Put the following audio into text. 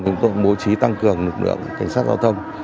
chúng tôi cũng bố trí tăng cường lực lượng cảnh sát giao thông